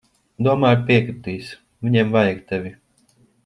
Domāju, piekritīs. Viņiem vajag tevi.